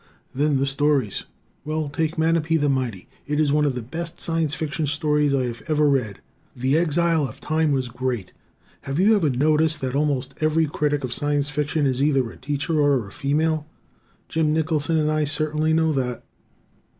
Then, the stories. Well, take "Manape the Mighty": it is one of the best Science Fiction stories I have ever read. "The Exile of Time" was great. Have you ever noticed that almost every critic of Science Fiction is either a teacher or a female? Jim Nicholson and I certainly know that.